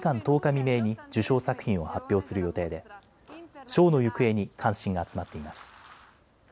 未明に受賞作品を発表する予定で賞の行方に関心が集まっています。